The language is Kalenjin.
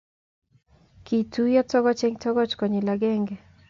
Kituiyo tokoch eng tokoch konyil akenge